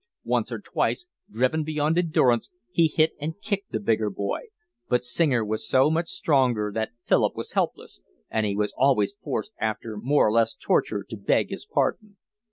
Once or twice, driven beyond endurance, he hit and kicked the bigger boy, but Singer was so much stronger that Philip was helpless, and he was always forced after more or less torture to beg his pardon.